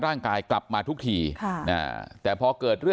ส่วนนางสุธินนะครับบอกว่าไม่เคยคาดคิดมาก่อนว่าบ้านเนี่ยจะมาถูกภารกิจนะครับ